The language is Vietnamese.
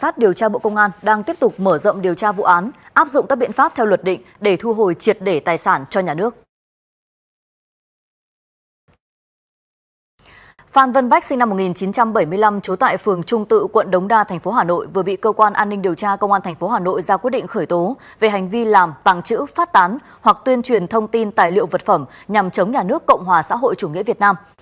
phan vân bách sinh năm một nghìn chín trăm bảy mươi năm chố tại phường trung tự quận đống đa tp hà nội vừa bị cơ quan an ninh điều tra công an tp hà nội ra quyết định khởi tố về hành vi làm tàng chữ phát tán hoặc tuyên truyền thông tin tài liệu vật phẩm nhằm chống nhà nước cộng hòa xã hội chủ nghĩa việt nam